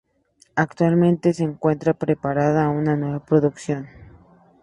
Actualmente se encuentra preparando una nueva producción.